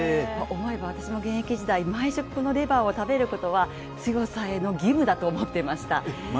思えば私も現役時代毎食このレバーを食べることは、強さへの義務だと思っていました。